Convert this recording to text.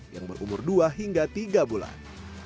yang berumur dua hingga tiga bulan